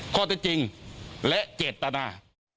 ข้อตัดจริงและเจ็ดตนา